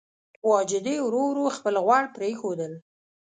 واجدې ورو ورو خپل غوړ پرېښودل.